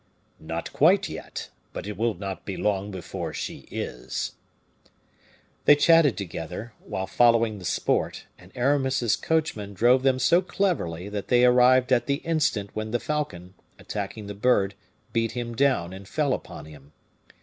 "Not quite yet, but it will not be long before she is." They chatted together, while following the sport, and Aramis's coachman drove them so cleverly that they arrived at the instant when the falcon, attacking the bird, beat him down, and fell upon him.